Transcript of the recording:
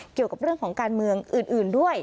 เกี่ยวกับเรื่องของการเมืองอื่นด้วย